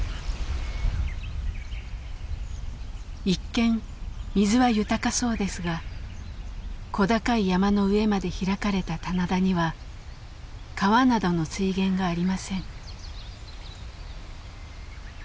一見水は豊かそうですが小高い山の上まで開かれた棚田には川などの水源がありません。